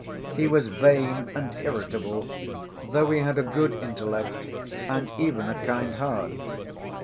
He was vain and irritable, though he had a good intellect, and even a kind heart.